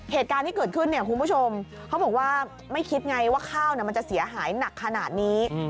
เหตุการณ์ที่เกิดขึ้นเนี่ยคุณผู้ชมเขาบอกว่าไม่คิดไงว่าข้าวมันจะเสียหายหนักขนาดนี้